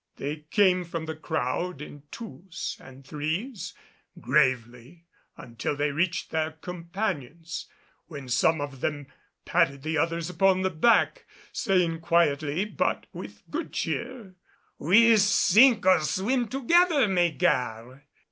They came from the crowd in twos and threes, gravely until they reached their companions, when some of them patted the others upon the back, saying quietly, but with good cheer, "We sink or swim together, mes gars!"